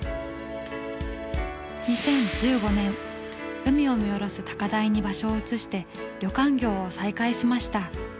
２０１５年海を見下ろす高台に場所を移して旅館業を再開しました。